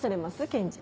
検事。